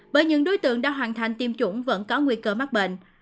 bởi những đối tượng đã hoàn thành tiêm chủng vẫn có nguy cơ mắc bệnh